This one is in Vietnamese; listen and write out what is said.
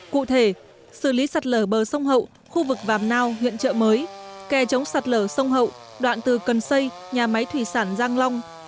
cụ thể xử lý sạt lở bờ sông hậu khu vực vàm nao huyện trợ mới kè chống sạt lở sông hậu đoạn từ cần xây nhà máy thủy sản giang long